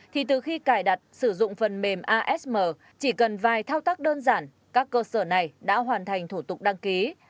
thì từ khi cài đặt sử dụng phần mềm asm chỉ cần vài thao tác đơn giản các cơ sở này đã hoàn thành thủ tục đăng ký